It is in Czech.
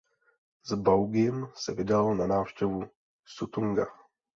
S Baugim se vydal na návštěvu Suttunga.